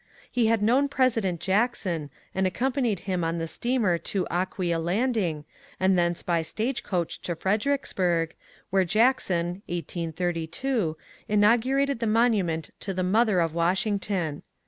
He had known President Jackson and accom panied him on the steamer to Aquia Landing and thence by stage coach to Fredericksburg, where Jackson (1832) inaugu rated the monument to the mother of Washington.